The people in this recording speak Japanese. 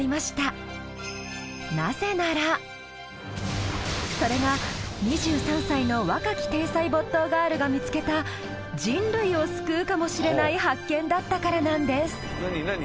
なぜならそれが２３歳の若き天才没頭ガールが見つけた人類を救うかもしれない発見だったからなんです。